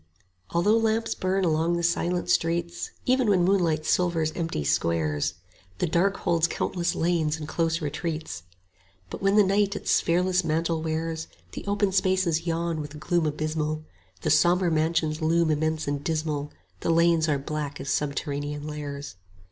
333 III Although lamps burn along the silent streets, Even when moonlight silvers empty squares The dark holds countless lanes and close retreats; But when the night its sphereless mantle wears The open spaces yawn with gloom abysmal, 5 The sombre mansions loom immense and dismal, The lanes are black as subterranean lairs.